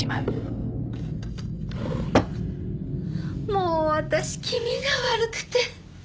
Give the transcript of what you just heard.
もう私気味が悪くて。